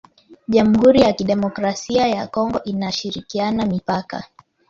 Jamuhuri ya kidemokrasia ya Kongo inashirikiana Mipaka